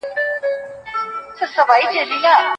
د ظلم مخه نيول د ايمان برخه ده.